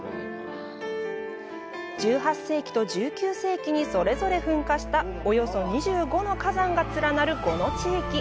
１８世紀と１９世紀にそれぞれ噴火したおよそ２５の火山が連なるこの地域。